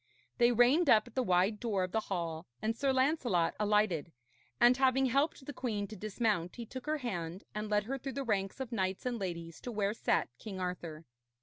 They reined up at the wide door of the hall, and Sir Lancelot alighted, and having helped the queen to dismount, he took her hand, and led her through the ranks of knights and ladies to where sat King Arthur.